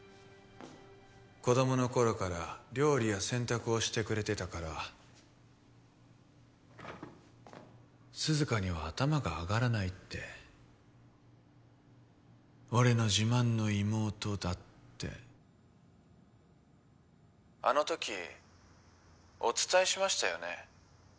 子供の頃から料理や洗濯をしてくれてたから涼香には頭が上がらないって俺の自慢の妹だってあの時お伝えしましたよね